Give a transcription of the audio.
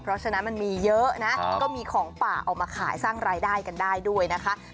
เพราะฉะนั้นมันมีเยอะนะก็มีของป่าออกมาขายสร้างรายได้กันได้ด้วยนะคะ